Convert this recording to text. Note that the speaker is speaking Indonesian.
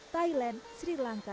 thailand sri lanka